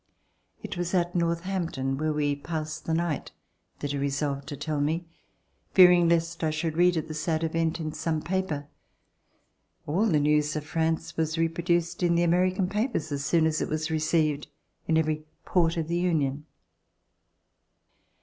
It was at Northampton, where we passed the night, that he resolved to tell me, fearing lest I should read of the sad event in some paper. All the news of France was reproduced in the American papers as soon as it was received in every port of the Union.